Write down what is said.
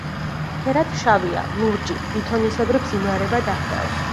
ფერად შავია, ლურჯი, ლითონისებრი ბზინვარება დაკრავს.